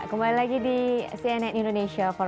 saya lagi di cnn indonesia for